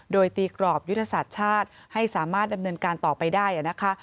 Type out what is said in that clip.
โดยตีกรอบยุทธศาสตร์ชาติให้สามารถดำเนินการต่อไปได้นะคะ